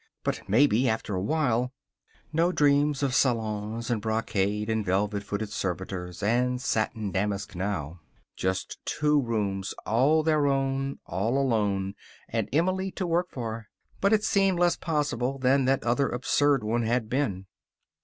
But maybe, after a while " No dreams of salons, and brocade, and velvet footed servitors, and satin damask now. Just two rooms, all their own, all alone, and Emily to work for. That was his dream. But it seemed less possible than that other absurd one had been.